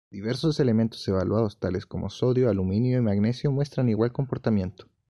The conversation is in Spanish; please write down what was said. Diversos elementos evaluados tales como sodio, aluminio y magnesio muestran igual comportamiento.